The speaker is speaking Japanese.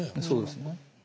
そうですね。